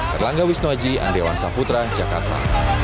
terlangga wisnuwaji andriawan saputra jakarta